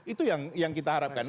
itu yang kita harapkan